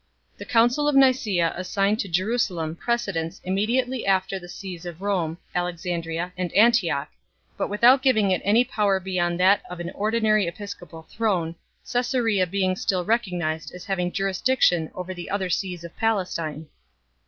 The Council of Nicsea 3 assigned to Jerusalem precedence im mediately after the sees of Rome, Alexandria and An tioch, but without giving it any power beyond that of an ordinary episcopal throne, Ca3sarea being still recognized as having jurisdiction over the other sees of Palestine.